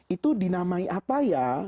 itu dinamai apa ya